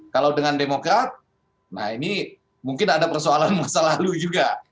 kalau dengan demokrat nah ini mungkin ada persoalan masa lalu juga